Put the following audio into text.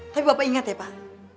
tapi bapak ingat ya pak